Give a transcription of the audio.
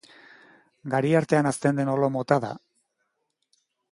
Gari artean hazten den olo mota da.